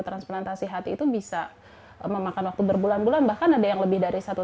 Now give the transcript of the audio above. transplantasi hati itu bisa memakan waktu berbulan bulan bahkan ada yang lebih dari satu